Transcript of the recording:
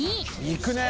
いくね。